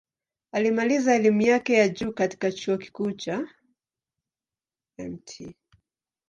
Alimaliza elimu yake ya juu katika Chuo Kikuu cha Mt.